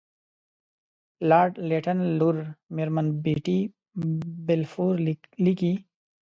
لارډ لیټن لور میرمن بیټي بالفور لیکي.